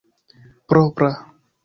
propra